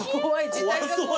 怖そう。